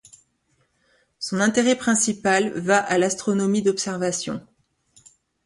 Son intérêt principal va à l'astronomie d'observation.